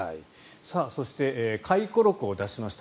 そして回顧録を出しました